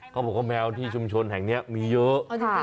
เขาบอกว่าแมวที่ชุมชนแห่งนี้มีเยอะ